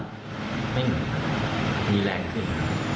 ไม่เหมือนมีแรงขึ้น